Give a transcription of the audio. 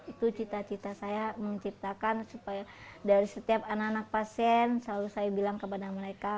itu cita cita saya menciptakan supaya dari setiap anak anak pasien selalu saya bilang kepada mereka